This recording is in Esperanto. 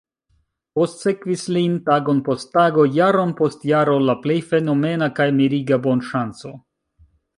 Postsekvis lin, tagon post tago, jaron post jaro, la plej fenomena kaj miriga bonŝanco.